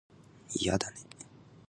いやだね